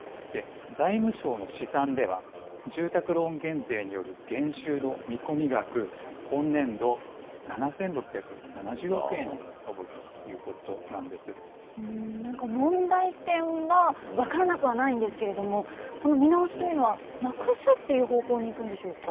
財務省の試算では、住宅ローン減税による減収の見込み額、今年度７６７０億円に上るなんか、問題点は分からなくはないんですけれども、この見直しというのは、なくすっていう方向に行くんでしょうか。